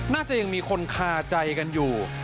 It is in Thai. น่าจะยังมีคนคาใจกันอยู่